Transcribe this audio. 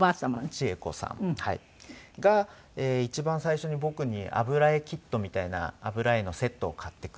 チエコさんが一番最初に僕に油絵キットみたいな油絵のセットを買ってくれて。